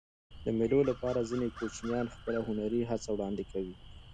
د مېلو له پاره ځيني کوچنيان خپله هنري هڅه وړاندي کوي.